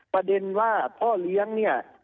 ประเด็นว่าพ่อเลี้ยงเนี่ย